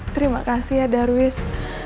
terima kasih ya darwis